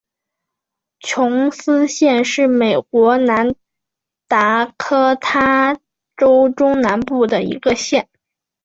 琼斯县是美国南达科他州中南部的一个县。